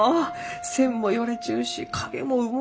線もよれちゅうし影もうもうできん！